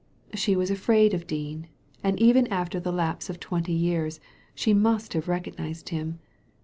She was afraid of Dean, and even after the lapse of twenty years she must have recognized him.